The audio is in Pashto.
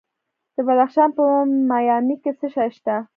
د بدخشان په مایمي کې څه شی شته؟